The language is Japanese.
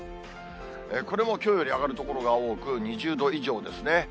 これもきょうより上がる所が多く、２０度以上ですね。